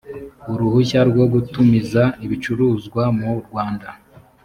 uruhushya rwo gutumiza ibicuruzwa mu rwanda